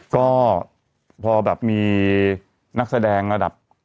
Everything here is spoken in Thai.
ก็พอแบบมีนักแสดงระดับ